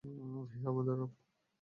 হে আমাদের রব!